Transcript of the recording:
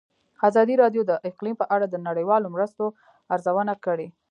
ازادي راډیو د اقلیم په اړه د نړیوالو مرستو ارزونه کړې.